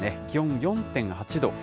気温４．８度。